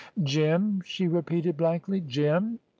"Jim!" she repeated blankly. "Jim!"